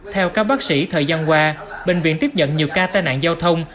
theo các bác sĩ thời gian qua bệnh viện tiếp nhận nhiều ca tai nạn giao thông